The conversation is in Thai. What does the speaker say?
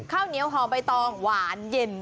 ข้าวเหนียวห่อใบตองหวานเย็น